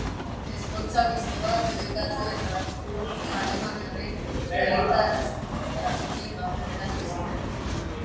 Ezkontza mistoak debekatu eta judu alemaniarrak herritartasunik gabe geratu ziren.